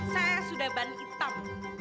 saya sudah ban hitam